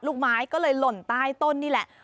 ลูกไม้ก็เลยหล่นใต้ต้นนี่แหละ